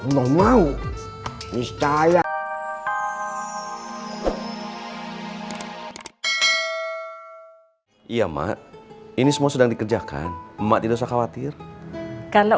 allah mau miscaya ia mah ini semua sedang dikerjakan emak tidak usah khawatir kalau